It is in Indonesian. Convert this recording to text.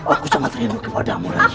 aku sangat rindu kepadamu lagi